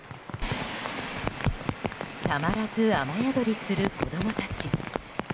たまらず雨宿りする子供たち。